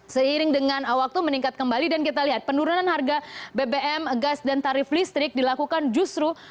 seiring dengan waktu meningkat kembali dan kita lihat penurunan harga bbm gas dan tarif listrik dilakukan justru